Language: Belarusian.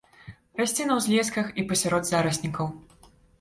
Расце на ўзлесках і пасярод зараснікаў.